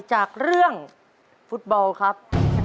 จากเรื่องฟุตบอลครับ